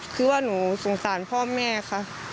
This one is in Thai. คือว่าหนูสงสารพ่อแม่ค่ะ